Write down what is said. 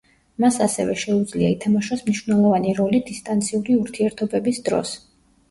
მას ასევე შეუძლია ითამაშოს მნიშვნელოვანი როლი „დისტანციური“ ურთიერთობების დროს.